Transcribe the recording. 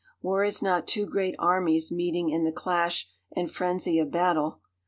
War is not two great armies meeting in the clash and frenzy of battle.